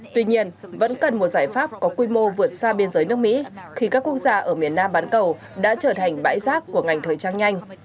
tuy nhiên vẫn cần một giải pháp có quy mô vượt xa biên giới nước mỹ khi các quốc gia ở miền nam bán cầu đã trở thành bãi rác của ngành thời trang nhanh